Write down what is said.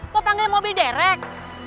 mau panggil mobil derek